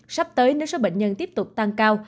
sắp tới nếu số bệnh nhân tiếp tục tăng cao